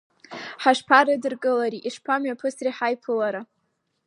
Ҳашԥарыдыркылари, ишԥамҩаԥысри ҳаиԥылара?